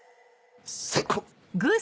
最高。